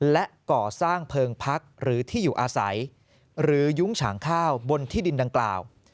และก่อสร้างเพลิงพักหรือที่อยู่อาศัยหรือยุ้งฉางข้าวบนที่ดินดังกล่าว